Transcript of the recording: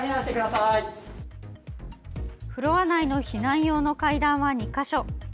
フロア内の避難用の階段は２か所。